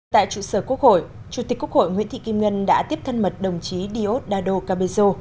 tại trụ sở quốc hội chủ tịch quốc hội nguyễn thị kim ngân đã tiếp thân mật đồng chí diosdado cabezo